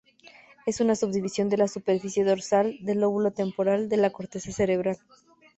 Es una subdivisión de la superficie dorsal del lóbulo temporal de la corteza cerebral.